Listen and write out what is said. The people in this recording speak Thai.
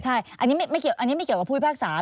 ใช่อันนี้ไม่เกี่ยวกับภูมิภาคศาสตร์